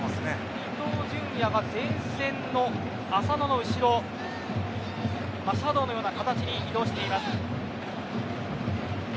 伊東純也が前線の浅野の後ろシャドーのような形に移動しています。